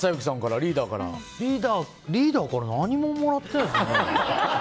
リーダーから何ももらってないですね。